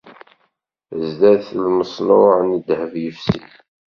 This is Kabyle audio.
Sdat lmeṣnuɛ n ddheb yefsin.